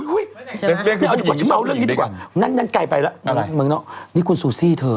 อุ๊ยเอาอยู่กว่าฉันเมาเรื่องนี้ดีกว่านั่นไกลไปแล้วมึงเนาะนี่คุณซูซี่เธอ